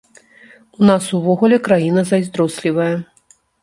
У нас увогуле краіна зайздрослівая.